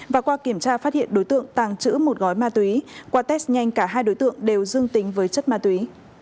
và qua kiểm tra phát hiện đối tượng tàng trữ một gói ma túy qua test nhanh cả hai đối tượng đều dương tính với chất ma túy